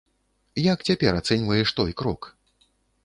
Як цяпер ацэньваеш той крок?